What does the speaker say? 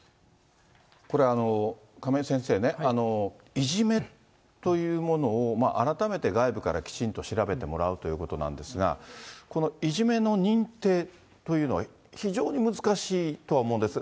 これ、亀井先生ね、いじめというものを改めて外部からきちんと調べてもらうということなんですが、このいじめの認定というのは、非常に難しいとは思うんです。